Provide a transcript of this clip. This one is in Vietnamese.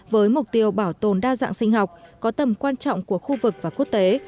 với mục tiêu bảo tồn đa dạng sinh học có tầm quan trọng của khu vực và quốc tế